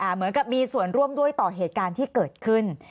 เหมือนกับมีส่วนร่วมด้วยต่อเหตุการณ์ที่เกิดขึ้น